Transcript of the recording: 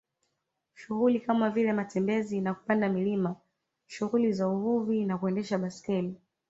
Shughuli kama vile matembezi na kupanda milima shughuli za uvuvi na kuendesha baiskeli